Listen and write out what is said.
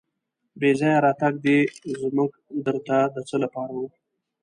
بې ځایه راتګ دې زموږ در ته د څه لپاره و.